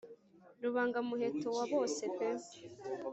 rubanga-muheto wabose pe